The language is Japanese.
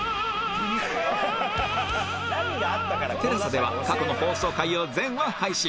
ＴＥＬＡＳＡ では過去の放送回を全話配信